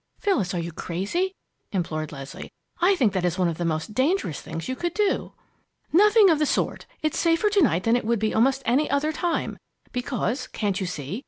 "Phyllis, are you crazy?" implored Leslie. "I think that is one of the most dangerous things you could do!" "Nothing of the sort. It's safer to night than it would be almost any other time. Because can't you see?